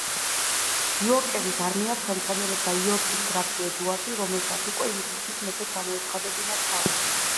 იორკების არმიას ხელმძღვანელობდა იორკის გრაფი ედუარდი, რომელსაც უკვე ინგლისის მეფედ გამოეცხადებინა თავი.